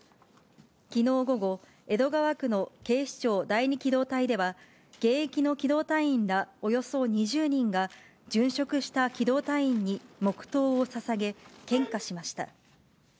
きのう午後、江戸川区の警視庁第二機動隊では、現役の機動隊員らおよそ２０人が、殉職した機動隊員に黙とうをささげ、献花しました。